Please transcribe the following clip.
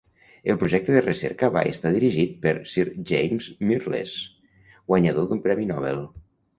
El projecte de recerca va estar dirigit per Sir James Mirrlees, guanyador d'un premi Nobel.